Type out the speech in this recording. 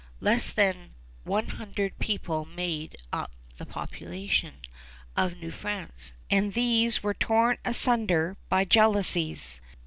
Less than one hundred people made up the population of New France; and these were torn asunder by jealousies.